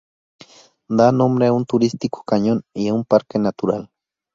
Da nombre a un turístico cañón y a un parque natural.